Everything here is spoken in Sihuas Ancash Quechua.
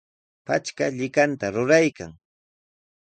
Patrka llikanta ruraykan.